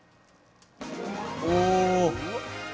お！